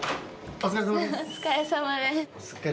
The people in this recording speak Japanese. お疲れさまです。